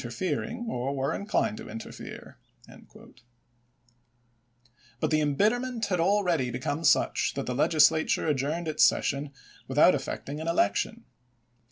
terfering, or were inclined to interfere." But the p ^s embitterment had already become such that the Legislatm e adjourned its session without effecting an election.